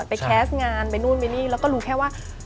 แคสต์งานไปนู่นไปนี่แล้วก็รู้แค่ว่า